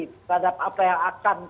terhadap apa yang akan